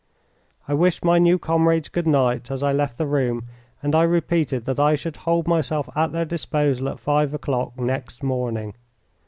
I wished my new comrades good night as I left the room, and I repeated that I should hold myself at their disposal at five o'clock next morning.